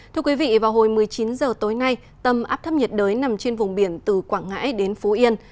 thưa quý vị vào hồi một mươi chín h tối nay tâm áp thấp nhiệt đới nằm trên vùng biển từ quảng ngãi đến phú yên